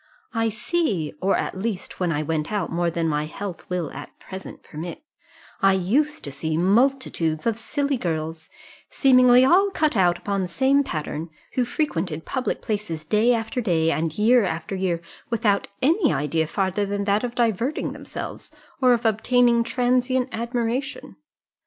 "I see or at least when I went out more than my health will at present permit I used to see multitudes of silly girls, seemingly all cut out upon the same pattern, who frequented public places day after day, and year after year, without any idea farther than that of diverting themselves, or of obtaining transient admiration.